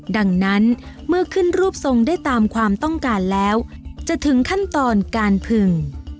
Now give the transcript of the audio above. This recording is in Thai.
ดังนั้นเมื่อขึ้นรูปทรงได้ตามความต้องการแล้วจะถึงขั้นตอนการผึ่ง